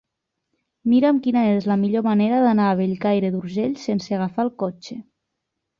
Mira'm quina és la millor manera d'anar a Bellcaire d'Urgell sense agafar el cotxe.